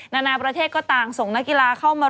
นานาประเทศก็ต่างส่งนักกีฬาเข้ามา